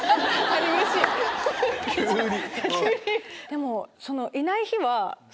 急に！